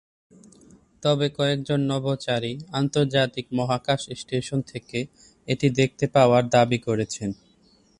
তবে কয়েকজন নভোচারী আন্তর্জাতিক মহাকাশ স্টেশন থেকে এটি দেখতে পাওয়ার দাবি করেছেন।